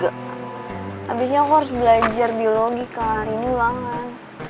habisnya aku harus belajar biologi kelarin ilangan